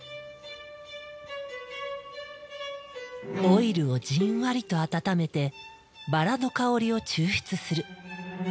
オイルをじんわりと温めてバラの香りを抽出する。